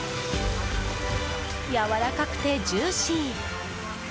やわらかくてジューシー。